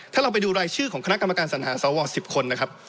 ถ้าเราไปดูรายชื่อของคศสว๑๐คนนะครับ